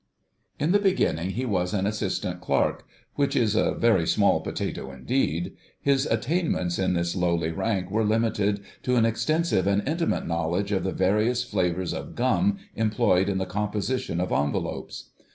* In the beginning he was an Assistant Clerk—which is a very small potato indeed; his attainments in this lowly rank were limited to an extensive and intimate knowledge of the various flavours of gum employed in the composition of envelopes.